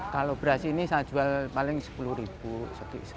kalau beras ini saya jual paling sepuluh